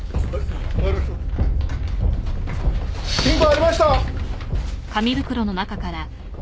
金庫ありました！